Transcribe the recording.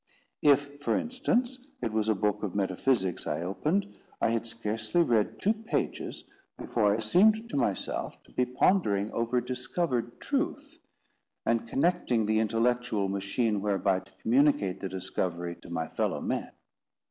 If, for instance, it was a book of metaphysics I opened, I had scarcely read two pages before I seemed to myself to be pondering over discovered truth, and constructing the intellectual machine whereby to communicate the discovery to my fellow men.